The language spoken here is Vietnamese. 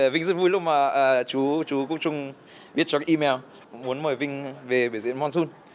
vinh rất vui lắm chú cũng chung biết cho email muốn mời vinh về biểu diễn mon jun